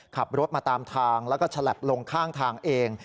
ขับรถมาตามทางแล้วก็ฉลับลงข้างทางเอง